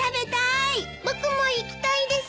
僕も行きたいです！